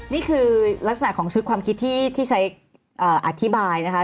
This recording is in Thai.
นี่คือลักษณะของชุดความคิดที่ใช้อธิบายนะคะ